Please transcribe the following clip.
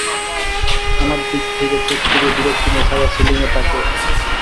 আমার দিক থেকে চোখ ফিরিয়ে বিরক্তি নিয়ে সাদা সিলিংয়ে তাকিয়ে থাকে।